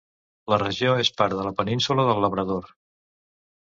La regió és part de la Península del Labrador.